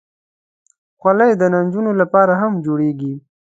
خولۍ د نجونو لپاره هم جوړېږي.